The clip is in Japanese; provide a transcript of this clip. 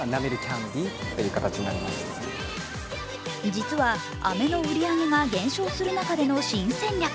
実は飴の売り上げが減少する中での新戦略。